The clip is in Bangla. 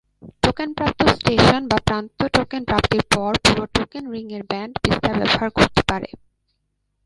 টোকেন প্রাপ্ত স্টেশন বা প্রান্ত টোকেন প্রাপ্তির পর পুরো টোকেন রিং এর ব্যান্ড বিস্তার ব্যবহার করতে পারে।